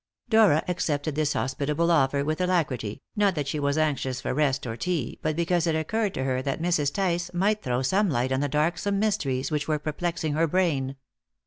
Dora accepted this hospitable offer with alacrity, not that she was anxious for rest or tea, but because it occurred to her that Mrs. Tice might throw some light on the darksome mysteries which were perplexing her brain.